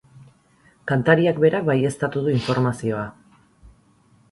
Kantariak berak baieztatu du informazioa.